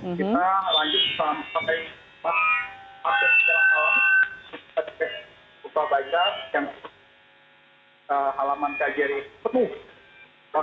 kita lanjut sampai empat hari kejalan awal